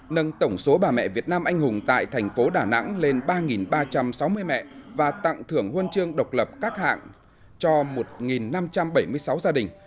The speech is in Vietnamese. nâng tổng số bà mẹ việt nam anh hùng tại thành phố đà nẵng lên ba ba trăm sáu mươi mẹ và tặng thưởng huân chương độc lập các hạng cho một năm trăm bảy mươi sáu gia đình